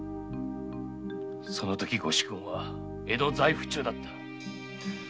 そのとき御主君は江戸在府中だった。